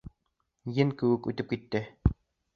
Ен кеүек үтеп китте.